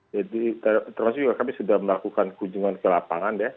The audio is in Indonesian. jadi termasuk juga kami sudah melakukan kunjungan ke lapangan ya